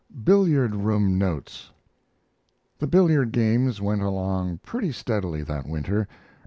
BILLIARD ROOM NOTES The billiard games went along pretty steadily that winter.